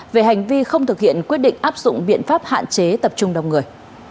về hành vi không thực hiện quyết định áp dụng biện pháp hạn chế tập trung đông người